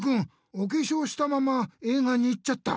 おけしょうしたまま映画に行っちゃった。